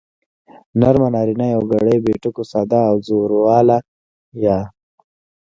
نرمه نارينه يوگړې بې ټکو ساده او زورواله يا